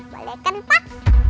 boleh kan pak